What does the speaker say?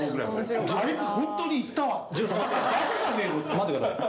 待ってください。